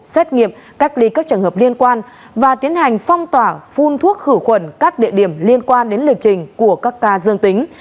xét nghiệm cách ly các trường hợp liên quan và tiến hành phong tỏa phun thuốc khử khuẩn các địa điểm liên quan đến lịch trình của các ca dương tính